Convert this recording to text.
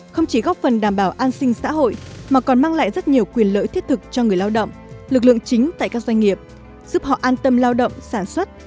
không chỉ góp phần đảm bảo an sinh xã hội mà còn mang lại rất nhiều quyền lợi thiết thực cho người lao động lực lượng chính tại các doanh nghiệp giúp họ an tâm lao động sản xuất